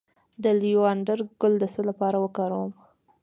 د لیوانډر ګل د څه لپاره وکاروم؟